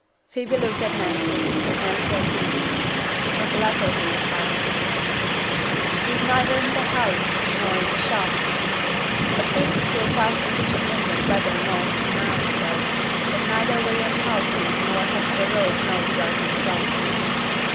Phoebe looked at Nancy, Nancy at Phoebe. It was the latter who replied, 'He's neither i' t' house nor i' t' shop. A seed him go past t' kitchen window better nor an hour ago; but neither William Coulson or Hester Rose knows where he's gone to.